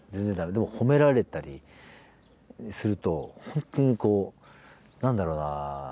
でも褒められたりすると本当に何だろうな？